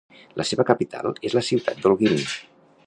La seva capital és la ciutat d'Holguín.